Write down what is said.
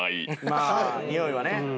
まあにおいはね。